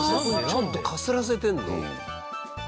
ちょっとかすらせてんの？